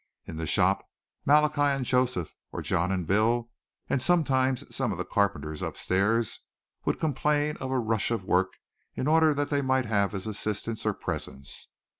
In the shop Malachi and Joseph or John and Bill and sometimes some of the carpenters up stairs would complain of a rush of work in order that they might have his assistance or presence.